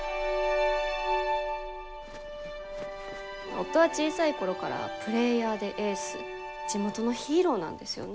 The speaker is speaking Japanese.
夫は小さいころからプレーヤーでエース地元のヒーローなんですよね。